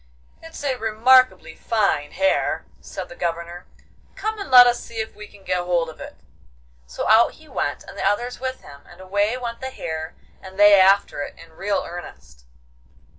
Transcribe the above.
'It's a remarkably fine hare!' said the Governor. 'Come and let us see if we can get hold of it.' So out he went, and the others with him, and away went the hare, and they after it, in real earnest.